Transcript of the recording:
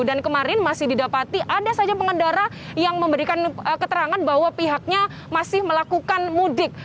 dan kemarin masih didapati ada saja pengendara yang memberikan keterangan bahwa pihaknya masih melakukan mudik